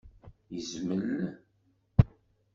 Yezmel?